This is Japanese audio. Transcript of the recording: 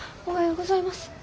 おはようございます。